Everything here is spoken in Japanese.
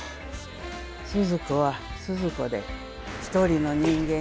鈴子は鈴子で一人の人間や。